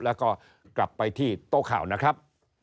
แล้วก็กลับไปที่โต๊ะข่าวนะครับ